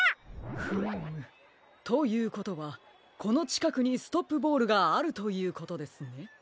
フーム。ということはこのちかくにストップボールがあるということですね。